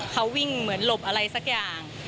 เขาวิ่งเหมือนหลบอะไรสักอย่าง